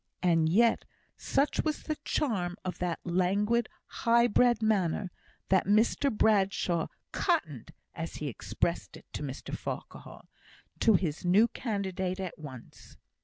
And yet, such was the charm of that languid, high bred manner, that Mr Bradshaw "cottoned" (as he expressed it to Mr Farquhar) to his new candidate at once.